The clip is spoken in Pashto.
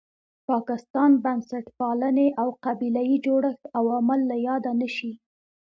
پاکستان، بنسټپالنې او قبیله یي جوړښت عوامل له یاده نه شي.